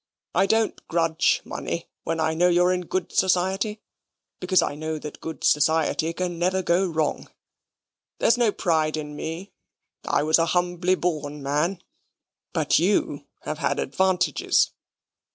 I don't grudge money when I know you're in good society, because I know that good society can never go wrong. There's no pride in me. I was a humbly born man but you have had advantages.